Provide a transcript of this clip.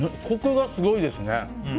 コクがすごいですね。